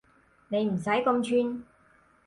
你唔使咁串